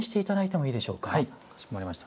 はいかしこまりました。